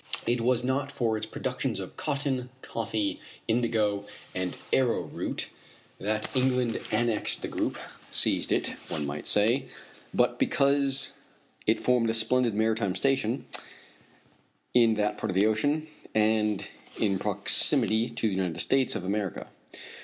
It was not for its productions of cotton, coffee, indigo, and arrowroot that England annexed the group seized it, one might say; but because it formed a splendid maritime station in that part of the Ocean, and in proximity to the United States of America.